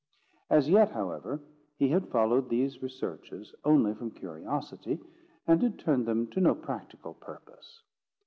As yet, however, he had followed these researches only from curiosity, and had turned them to no practical purpose.